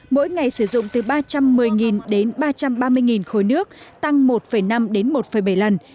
mỗi ngày sử dụng từ ba trăm một mươi đến ba trăm ba mươi khối nước tăng một năm đến một bảy lần